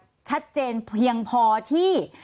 ที่ทราบนั้นเช่นเพียงพอที่